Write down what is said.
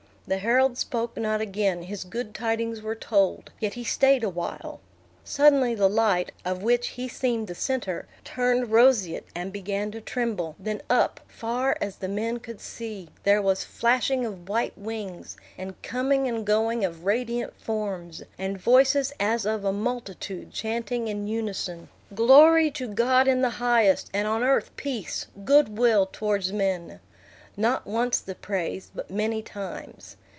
The herald spoke not again; his good tidings were told; yet he stayed awhile. Suddenly the light, of which he seemed the centre, turned roseate and began to tremble; then up, far as the men could see, there was flashing of white wings, and coming and going of radiant forms, and voices as of a multitude chanting in unison, "Glory to God in the highest, and on earth peace, good will towards men!" Not once the praise, but many times.